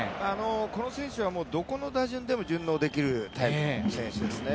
この選手はどこの打順でも順応できるタイプの選手ですね。